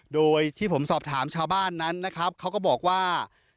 โดยที่ผมสอบถามชาวบ้านนั้นนะครับเขาก็บอกว่า